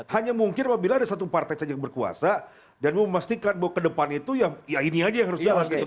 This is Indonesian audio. hanya mungkin apabila ada satu partai saja yang berkuasa dan memastikan bahwa ke depan itu ya ini aja yang harus jalankan